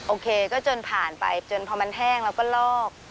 โอเคก็จนผ่านไปจนพอมันแห้งแล้วก็ลอก